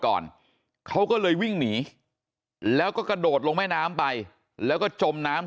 ก่อนเขาก็เลยวิ่งหนีแล้วก็กระโดดลงแม่น้ำไปแล้วก็จมน้ำ